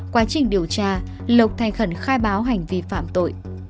quá trình điều tra lộc thành khẩn khai báo hành vi phạm tội